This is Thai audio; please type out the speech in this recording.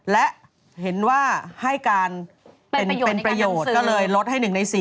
และเห็นว่าให้การเป็นประโยชน์ก็เลยลดให้๑ใน๔